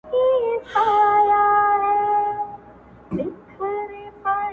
یو څوک دي ووایي چي کوم هوس ته ودرېدم ,